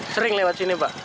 sering lewat sini pak